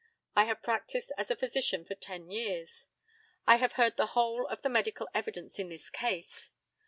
I have practised as a physician for ten years. I have heard the whole of the medical evidence in this case.